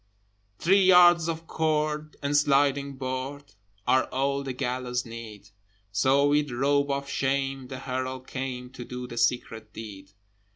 Three yards of cord and a sliding board Are all the gallows' need: So with rope of shame the Herald came To do the secret deed.